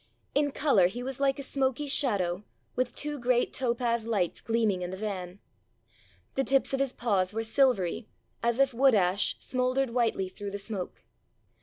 In colour he was like a smoky shadow, with two great topaz lights gleaming in the van ; the tips of his paws were silvery, as if wood ash smouldered whitely through the smoke.